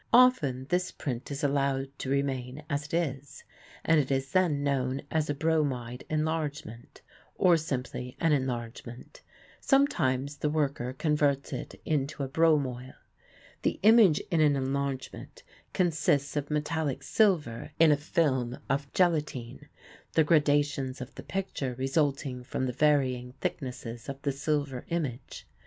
Often this print is allowed to remain as it is, and it is then known as a bromide enlargement, or, simply, an enlargement; sometimes the worker converts it into a bromoil. The image in an enlargement consists of metallic silver in a film of gelatine, the gradations of the picture resulting from the varying thicknesses of the silver image.